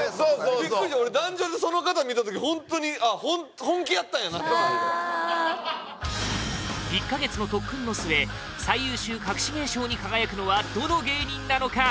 ビックリした俺壇上でその方見たときホントにああ本気やったんやなっていう１カ月の特訓の末最優秀隠し芸賞に輝くのはどの芸人なのか？